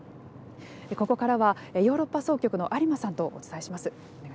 ここからはヨーロッパ総局の有馬さんとお伝えします。